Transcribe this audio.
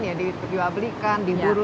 ya dikejuablikan diburu